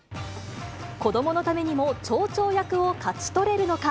子どものためにも町長役を勝ち取れるのか。